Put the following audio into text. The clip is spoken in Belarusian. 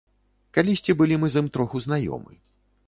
Калісьці былі мы з ім троху знаёмы.